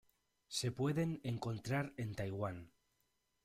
Se pueden encontrar en Taiwán.